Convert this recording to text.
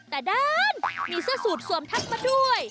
แต่ด้านมีเสื้อสูตรสวมทับมาด้วย